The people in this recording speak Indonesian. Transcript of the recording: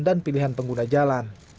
jalan dan pilihan pengguna jalan